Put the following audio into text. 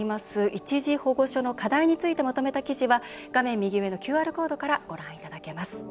一時保護所の課題についてまとめた記事は画面右上のＱＲコードからご覧いただけます。